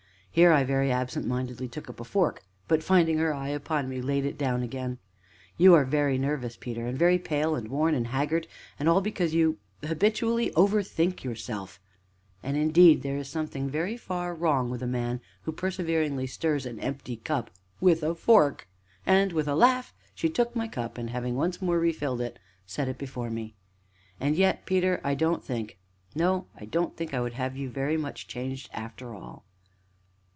Here I very absent mindedly took up a fork, but, finding her eye upon me, laid it down again. "You are very nervous, Peter, and very pale and worn and haggard, and all because you habitually overthink yourself; and indeed, there is something very far wrong with a man who perseveringly stirs an empty cup with a fork!" And, with a laugh, she took my cup and, having once more refilled it, set it before me. "And yet, Peter I don't think no, I don't think I would have you very much changed, after all."